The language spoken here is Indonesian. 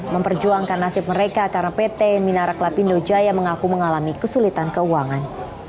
memperjuangkan nasib mereka karena pt minarak lapindo jaya mengaku mengalami kesulitan keuangan